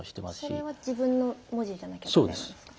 それは自分の文字じゃなきゃいけないんですか。